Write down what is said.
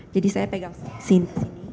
jadi saya pegang sini